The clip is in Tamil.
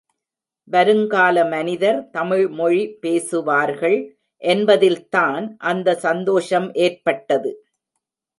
வருங்கால மனிதர் தமிழ் மொழி பேசுவார்கள் என்பதில்தான் அந்த சந்தோஷம் ஏற்பட்டது.